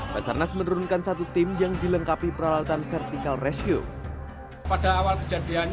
basarnas menurunkan satu tim yang dilengkapi peralatan vertikal rescue